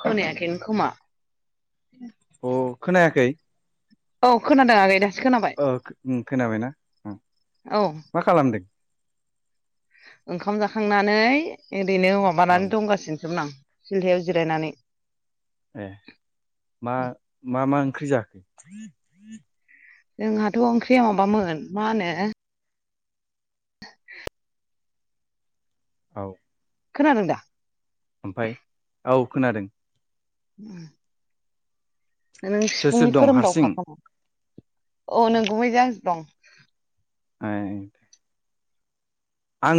खोनायाखैनो खोमा अ खोनायाखै? औ खोनादों आगै दासो खोनाबाय ओ उम खोनाबायना? औ मा खालामदों? ओंखाम जाखांनानै ओरैनो औ माबानानै दंगासिनोसोमोन आं सिलहायाव जिरायनानै। ए मा मा मा ओंख्रि जाखो? जोंहाथ' ओंख्रिया माबामोन मा होनो औ खोनादों दा? ओमफाय औ खोनादों। नों सोर सोर सिफुंनि दं हारसिं खोरोमदावखा खोमा औ नोंगुमैजों आंजों दं। [unintelligible] आं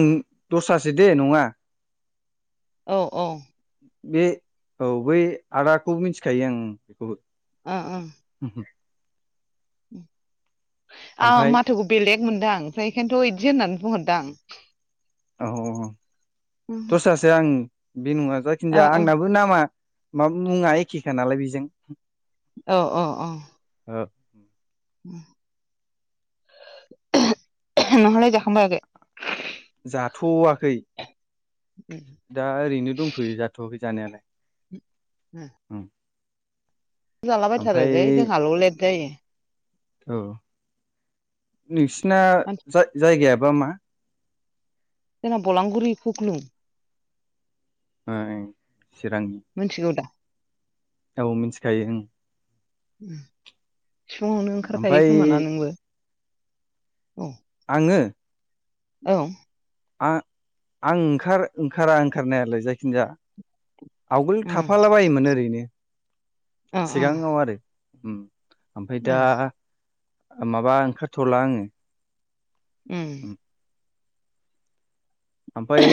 दस्रासो दे नङा औ औ बे औ बै आदाखौ मिथिखायो आं बेखौबो ओ ओं आहा ओमफाय माथोखौ बेलेग मोनदां आमफ्राय एकायनथ' इदि होननानै बुंहरदां औ औ औ ओ दस्रासो आं बे नङा जाखिनिजाया ओ आंनाबो नामा मा मुङा एखेखा नालाय बेजों औ औ औ ओ ओम ओम [unintelligible] नोंहालाय जाखांबाय आगै? जाथ'वाखै दा ओरैनो दंथ'यो जाथ'आखै जानायालाय होम उम जालाबायथारो ओमफाय लै जोंहाल' लेट जायो। औ नोंसिना मानसि जा-जायगायाबा मा जोंना बलांगुरि खुख्लुं ओम चिरांनि मिथिगौ दा औ मिथिखायो ओं ओम सिफुङावनो ओंखारखायो ओमफ्राय खोमाना नोंबो औ आङो औ आं आं ओंखार ओंखारा ओंखारनायालाय जायखिनजाया आवगोल उम थाफाला बायोमोन ओरैनो अ अ सिगाङाव आरो ओम ओमफ्राय उम दा माबा ओंखारथ'ला आङो उम ओमफाय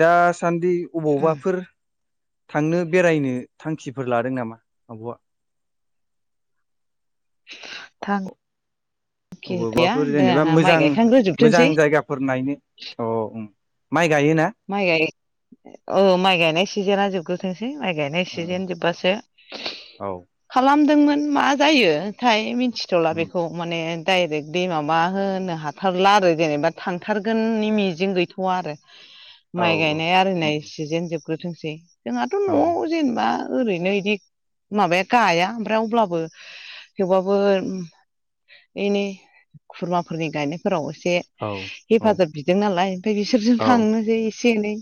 दासान्दि अबाव उम बाफोर थांनो बेरायनो थांखिफोर लादों नामा आब'आ? थां कि गैया अबावबाफोर दा जेनेबा माइ मोजां गायखांग्रो मोजां जोबथोंसै जायगाफोर नायनो अ माइ गायोना माइ गाय औ माइ गायनाय सिजोना जोबग्रोथों सै माइ गायनाय सिजोन जोबबासो औ खालामदोंमोन मा जायो थाय मिथिथ'ला उम बेखौ माने डाइरेक्ट दि माबा होनो हाथारला आरो जेनेबा थांथारगोननि मिजिं गैथ'वा आरो। औ माइ गायनाय उम आरिनाय उम सिजेन जोबग्रोथोंसै जोंहाथ' औ न'आव जेनेबा ओरैनो इदि माबाया गाया ओमफ्राय अब्लाबो थेवबाबो एनै खुरमाफोरनि गायनायफोराव एसे औ औ हेफाजाब बिदों नालाय ओमफाय बिसोरजों औ थांनोसै एस नै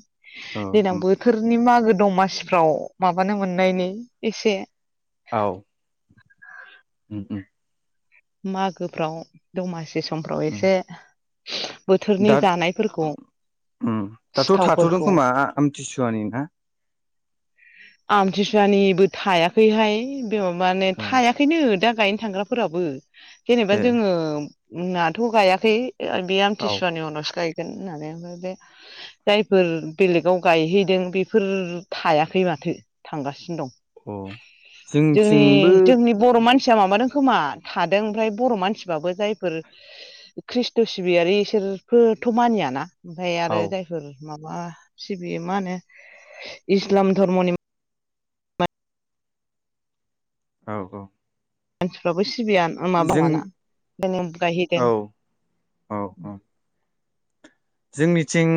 औ देनां उम बोथोरनि मागो दमासिफ्राव माबानो मोननायनि एसे आव उम उम मागोफ्राव दमासि समफ्राव उम एसे बोथोरनि दा जानायफोरखौ उम दाथ' थाथ'दों सिथावफोरखौ खोमा आम थिसुया नि ना? आमथि सुवानिबो थायाखैहाय बे माबाने औ थायाखैनो दा गायनो थांग्राफोराबो जेनेबा ए जोंङो नाथ' गायाखै ओ बेयाम औ आमथिसुवानि उनावसो गाय गोन होननानै ओमफाप बे जायफोर बेलेगाव गायहैदों बेफोर थायाखै मा थो थांगासिनो दं औ जोंथिंबो जोंनि जोंनि बर' मान सिया माबादों खोमा थादों ओमफ्राय बर' मानसिबाबो जायफोर खृषट' सिबियारि इसोर ओ फोरथ' मानियाना ओमफाय औ आरो जायफोर माबा सिबियो मा होनो इस्लाम धर्मनि औ औ मानसिफ्राबो सि सिबिया माब जों नंङाना [unintelligible] गायहैदों। औ औ औ जोंनिथिं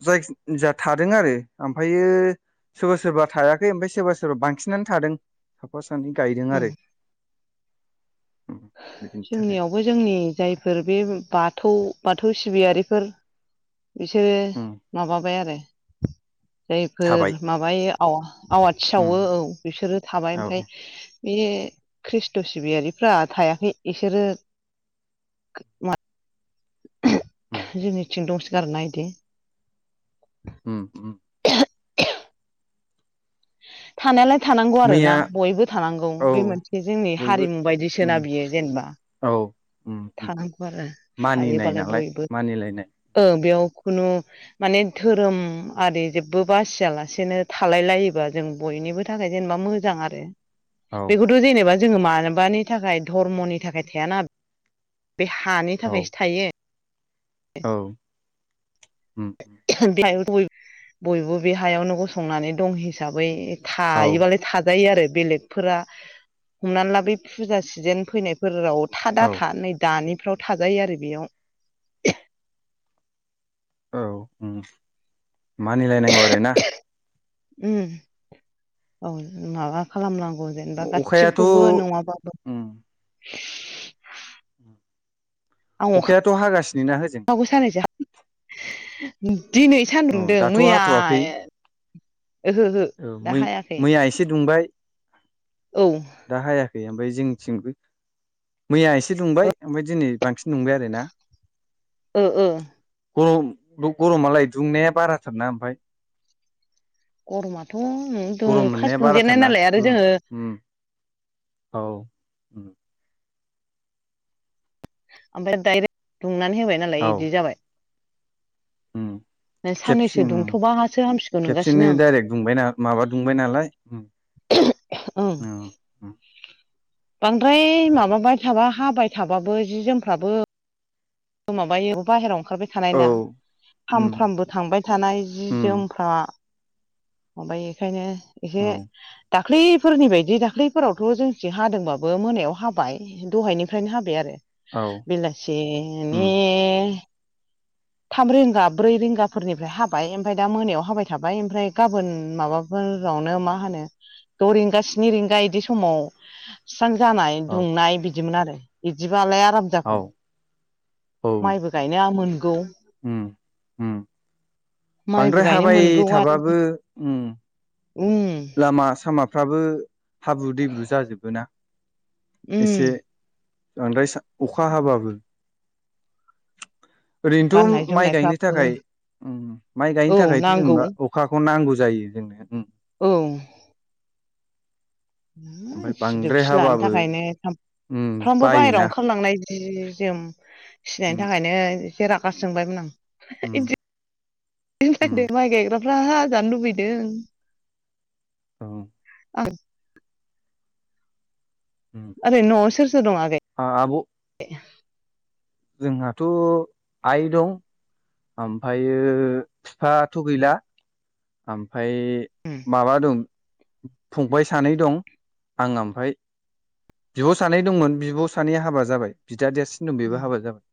[unintelligible] थादों आरो ओमफायो सोरबा सोरबा थायाखै ओमफ्राय सोरबा सोरबा बांसिनानो थादों साफा सानै गायदों उम आरो। उम, बिनि थाखाय जोंनियावबो जोंनि जायफोर बे बाथौ बाथौ सिबियारिफोर बिसोरो उम माबाबाय आरो। जायफोर थाबाय माबायो आवा आवाथि उम सावो औ बिसोरो थाबाय औ ओमफाय बे खृष्ट' सिबियारिफ्रा थायाखै इसोरो [unintelligible] उम जोंनिथिं दंसो गारोना इदि हुम हुम [unintelligible] थाना लाय थानांगौ मैया आरोना बयबो थानांगौ औ बे मोनसे जोंनि बयबो हारिमु उम बायदिसोना बियो जेनेबा औ उम उम थानांगौ आरो मानिनाय थायोबालाय नालाय बयबो मानिलायनाय ओ बेयाव खुनु माने धोरोम आरि जेबो बासियालासेनो थालाय लायोबा जों बय इनिबो थाखाय जेनेबा मोजां आरो। औ बेखौथ' जेनेबा जोंङो मारबानि थाखाय धर्मनि थाखाय थायाना बे हानि औ थाखायसो थायो। औ उम उम बय-बयबो बे हायावनो गसंनानै दं हिसाबै औ थायोबालाय थाजायो आरो। बेलेगफोरा हमनाला बै फुजा सिजोन फैनायफोराव था दा औ था नै दानिफ्राव थाजायो आरो बेयाव औ उम मानिलायनांगौ आरो ना उम औ माबा खालामनां गौ जेनेबा अखायाथ' गासिखौबो उम नङाबो [unintelligible] आं अखायाथ' हागासिनो ना होजों अखा खो साननैसो दिनै सान औ दोंदों दाथ' हाथ'वाखै मैयाय औ मै-मैया एसे दुंबाय औ दा हायाखै ओमफ्राय जोंनिथिंबो मैया एसे दुंबाय ओमफ्राय दिनै बांसिन दुंबाय आरो ना औ ओ गरम ल' गरमालाय दुंनाया बाराथारना ओमफाय गरमाथ' उम दुं फार्स्ट दुंजेननाय बाराथारना नालाय आरो दुरुम जोङो उम औ उम ओमफ्राय डायरेक्ट दुंनानै होबाय नालाय इदि जाबाय उम खेबसे साननैसो उम दुंथ'बासो हामसिगौ खेबसेनो नंगासिनो आं डाइरेक्ट दुंबायना माबा दुंबाय नालाय उम ओं उम बांद्राय माबाबाय थाबा हाबाय थाबाबो जि जोमफ्राबो माबायो बाहेरायाव ओंखारबाय थानाय औ ना उम सामफ्रामबो थांबाय थानाय जि उम जोमफ्रा ओमफ्राय एखायनो एसे औ दा ख्लैफोरनि बायदि दाख्लैफोरावथ' जोंथिं हादोंबाबो मोनायाव हाबाय दहायनिफ्रायनो हाबाय आरो औ उम बेलासेनि थाम रिंगा ब्रै रिंगाफोरनिफ्राय हाबाय ओमफाय दा मोनायाव हाबाय थाबाय ओमफ्राय गाबोन माबाफोरावनो मा होनो द' रिंगा स्नि रिंगा इदि समाव स्रां जानाय औ दुंनाय बिदिमोन आरो बिदिबालाय थाब औ जागौ औ माइबो गायनो मोनगौ उम उम माइबो बांद्राय गायनो हाबाय मोनगौ आरो थाबाबो उम उम लामा सामाफ्राबो हाब्रु दैब्रु जाजोबो ना उम बांद्राय सा-अखा हाबाबो गाननाय ओरैनोथ' माइ गायनो जोमनायफ्राबो थाखाय उम माइ औ गायनो थाखायथ' नांगौ जेनेबा अखाखौ नांगौ जायो जोंनो उम औ ओमफ्राय सिदोब बांद्राय सिलानि हाबाबो थाखायनो उम सामफ्रामबो बायोना बाहेराव ओंखारलांनाय जि जोम सिनायनि उम थाखायनो एसे रागासो जोंबायमोन आं उम इदों उम माइ गायग्राफ्रा हाजानो लुगैदों औ औ उम ओरैनो नआव सोर सोर दं आगै आ आब' जोंहाथ आइ दं ओमफ्रायो फिफाथ गैला ओमफाय उम माबा दं फंबाय सानै दं आं ओमफाय बिब' सानै दंमोन बिब सानैया हाबा जाबाय बिदा देरसिन दं बेबो उम हाबा जाबाय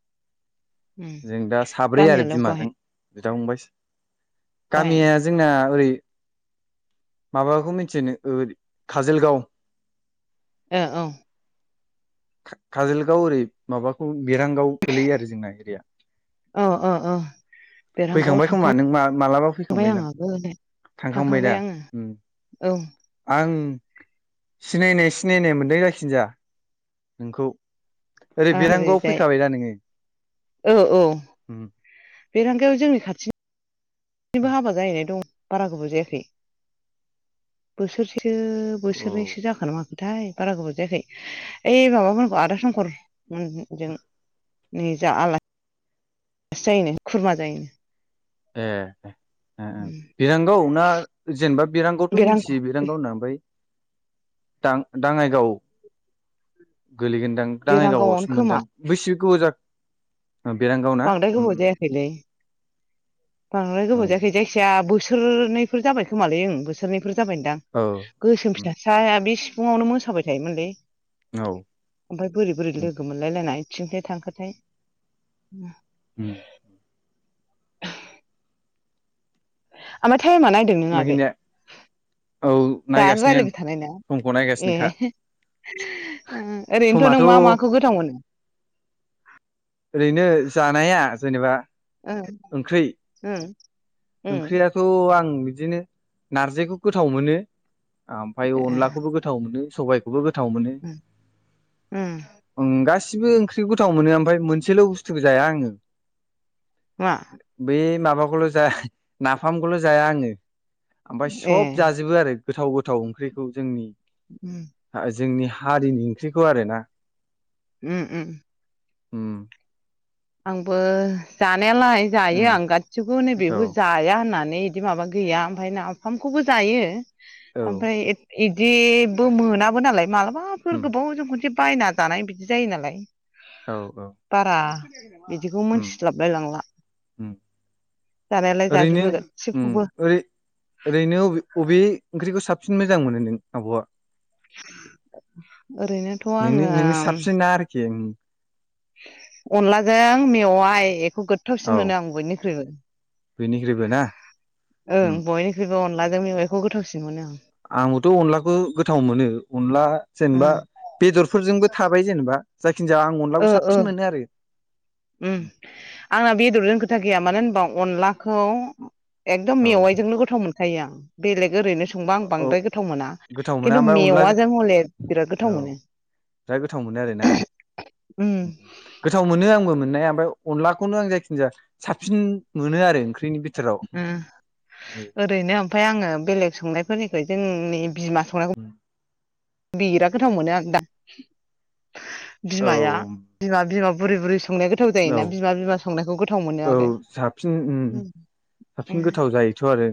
उम जों दा साब्रै आरो गामियालाय बहाय बिमाजों बिदा फंबाय बहाय गामिया आ ओरै माबाखौ मिथियो नों ओरै खाजोलगाव? ए औ। खा-खाजोलगाव ओरै माबाखौ मिरांगाव गोलैयो आरो जोंना एरिया। ओं अ अ। फैखांबाय खोमा नों मा-मालाबा आं फैखांबायदां। आगोल थांखांबाय दा उम औ आं सिनायनाय सिनायनाय मोन्दों जायखिनजाया नोंखौ। ओरै बेरांगौआव ओरैजाय फैखाबाय दा नोंङो? उम। बेेरंगाया जोंनि खाथि ए हाबा जाहैनाय दं बारा गोबाव जायाखै बोसोरसे सो ओ ओ बोसोरनैसो जाखोना माखो थाय बारा गोबाव जायाखै ओइ माबामोनखौ आदा शंकर मोनजों निजा आला सि जायनो खुरमा जायोनो। ए। ओं ओं बिरांगौ ना जेनेबा बिरांगौवथ' बेरां मिथियो बिरांगाव होनना ओमफाय दा-दाङाइगाव गोलैगोनदां दाङाइगावआवसो बेरांगावआवनो खोमा मोनदां बेसे गोबाव जा बांद्राय गोबाव जायाखैलै बांद्राय गोबाव उम जायाखै जायखिजाया बोसोरनैफोर जाबाय खोमालै ओं बोसोरनैफोर जाबायनोदां औ गोसोम फिसासाया बे सिफुंङावनो मोसाबाय थायोमोनलै। औ ओमफाय बोरै बोरै उम लोगो मोनलाय लायना इथिंसो थांखोथाय। उम। ओमफाय थायेमा नायदों नों आगै? बाखिनिया औ दा नायगासिनो आं रायलायबाय थानाय ना समखौ नायगासिनोखा ए। ओ ओरैनोथ' नों समाथ' मा माखौ गोथाव मोनो? ओरैनो जानाया जेनेबा ओं ओंख्रि ओं। ओं ओंख्रियाथ' आं बिदिनो नारजिखौ गोथाव मोनो। ओमफाय ए अनलाखौबो गोथाव मोनो सबाय खौबो गोथाव मोनो ओम ओं गासि सिबो ओंख्रिखौ गोथाव मोनो ओमफ्राय मोनसेल बुस्थुखौ जाया आंङो। मा बै माबाखौल' जाया नाफामखौल जाया आंङो। ओमफाय ए सब जाजोबो आरो गोथाव गोथाव ओंख्रिखौ जोंनि। उम। जोंनि हारिनि ओंख्रिखौ आरो ना। उम उम। आंबो जानायालाय जायो उम आं गासिबखौबो नै औ बेेखौ जाया होननानै नै इदि माबा गैया ओमफाय नाफामखौबो जायो औ ओमफाय इदिबो मोनाबो नालाय मालाबाफोर उम गोबाव जों खनसे बायना जानाय बिदि जायो नालाय। औ औ बारा बिदिखौ उम मोनथिस्लाबलाय लांला। उम जानायालाय ओरैनो जाजोबो उम गासिबखौबो ओरै ओरैनो अबे अबे ओंख्रिखौ साब सिन मोजां मोनो नों आब'आ? ओरैनोथ' नोंनि नोंनि आङो साबसि ना आरोखि उम। अनलाजों मेवाइ एखौ गोथावसिन मोनो आं बयनिख्रुइबो। बयनिख्रुइबो ना? उम ओं बयनिख्रुइबो अनलाजों मेवाइखौ गोथावसिन मोनो आं। आंबोथ' अनलाखौ गोथाव मोनो अनला जेनेबा आं बेदरफोरजोंबो थाबाय जेनेबा जायखिनजाया आं ओ अनलाखौ ओ साबसिन मोनो आरो उम आंना बेदरजों खोथा गैया मानो होनबा अनलाखौ एखदम औ मेवाइजोंनो गोथाव मोनखायो आं बेलेग ओरैनो संबा आं औ बांद्राय गोथाव मोना गोथाव मोना खिन्थु ओमफ्राय अनलाजों मेवाजों हले बिराद गोथाव औ मोनो। बिराद गोथाव मोनो आरो ना उम गोथाव मोनो आंबो मोननाया फाय अनलाखौनो आं जायखिनजाया साबसिन मोनो आरो ओंख्रिनि बि ओ ओरैनो ओमफाय आङो बेलेग संनायफोरनिख्रुय जोंनि बिमा संनायखौ उम बिराद गोथाव मोनो आं दा औ बिमाया बिमा बिमा बुरै बुरै संनाया गोथाव औ जायोना बिमा बिमा संनायखौ गोथाव मोनो औ आरो साबसिन उम साबसिन गोथाव जायोथ' आरो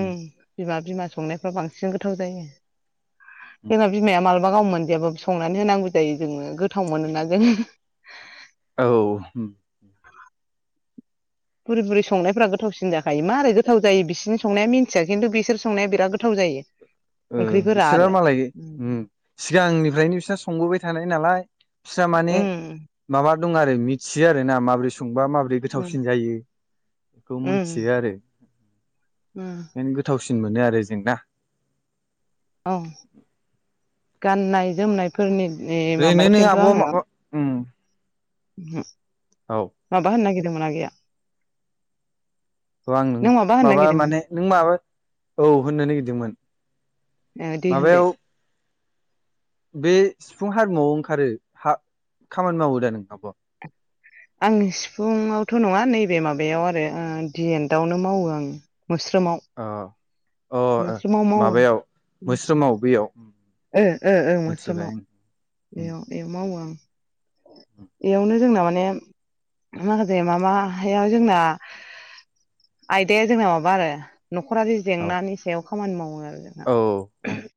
उम बिमा बिमा संनायफ्रा बांसिन गोथाव जायो जोंना बिमाया मा लाबा गाव मोनजायाबो संनानै होनांगौ जायो जोङो गोथाव मोनोना जों औ बुरै बुरै संनायफ्रा गोथावसिन जाखायो मारै गोथाव जायो बिसिनि संनाया मिन्थिया खिन्थु बिसोर संनाया बिराद गोथाव जायो। ओ ओंख्रिफोरा बिसोरो आरो मालाय उम सिगांनिफ्रायनो बिसोर संबोबाय थानाय नालाय बिस्रा माने उम माबा दं आरो मिथियो आरोना माब्रै संबा माबोरै गोथावसिन जायो बेखौ उम मिथियो आरो उम ओंखायनो गोथावसिन मोनो आरो जोंना? औ गाननाय जोमनायफोरनि ओरैनो इमाबायाव नों खिन्थु आब'आ मा आङो उम औ माबा होन्नो नागिरदोंमोन आगैया? औ आं नों होननो माबा नागिरदोंमोन माने नों माबा औ होननो नागिरदोंमोन। ए दे होनदो माबायाव बे सिफुं हारिमुआव ओंखारो हा खामानि मावो दा नों आब'आ? आं सिफुंआवथ' नङा नैबे माबायाव आरो दिएन्टआवनो मावो आङो। मोस्रोमाव अ अ मोस्रोमाव मावो माबायाव मोस्रोमाव बेयाव ओ ओ मोस्रोमाव उम बेयाव बेयाव मावो आं। [inaudible] बेयावनो जोंना माने माखासे मामायाव जोंना आयदाया जोंना माबा आरो न'खरारि औ जेंनानि सायाव खामानि मावो। आरो जोंहा औ औ